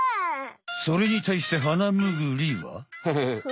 それにたいしてハナムグリは。